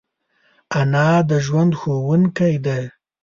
انا د ژوند ښوونکی ده